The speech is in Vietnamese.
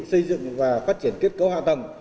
xây dựng và phát triển kết cấu hạ tầng